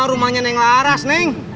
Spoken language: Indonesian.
ini mah rumahnya neng laras neng